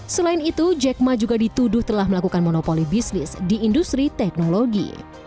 selain itu jack ma juga dituduh telah melakukan monopoli bisnis di industri teknologi